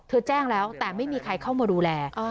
แจ้งแล้วแต่ไม่มีใครเข้ามาดูแล